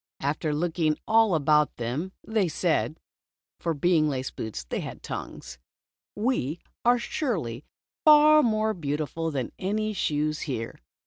After looking all about them, they said (for being laced boots, they had tongues) : "We are surely far more beautiful than any shoes here."